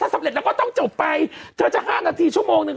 สำเร็จแล้วก็ต้องจบไปเธอจะ๕นาทีชั่วโมงนึง